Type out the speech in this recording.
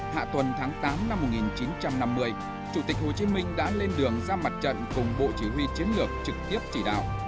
hạ tuần tháng tám năm một nghìn chín trăm năm mươi chủ tịch hồ chí minh đã lên đường ra mặt trận cùng bộ chỉ huy chiến lược trực tiếp chỉ đạo